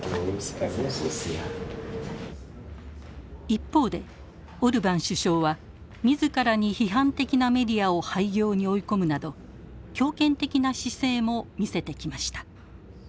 一方でオルバン首相は自らに批判的なメディアを廃業に追い込むなど強権的な姿勢も見せてきました。